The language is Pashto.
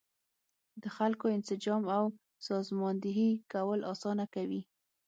د خلکو انسجام او سازماندهي کول اسانه کوي.